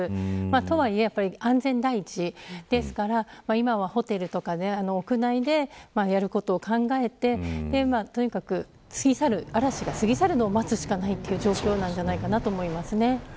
とはいえ安全第一ですから今はホテルなど屋内でやることを考えてとにかく嵐が過ぎ去るのを待つしかないという状況じゃないのかなと思います。